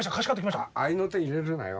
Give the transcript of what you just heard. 合いの手入れるなよ。